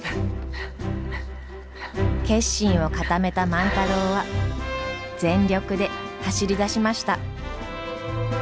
決心を固めた万太郎は全力で走りだしました。